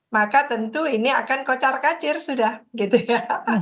maka tentu ini akan kocar kacir sudah gitu ya